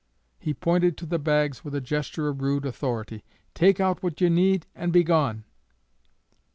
He pointed to the bags with a gesture of rude authority. "Take out what ye need, and begone!"